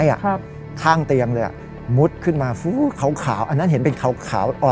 ข้างเตียงเลยอ่ะมุดขึ้นมาฟู้ขาวอันนั้นเห็นเป็นขาวอ่อน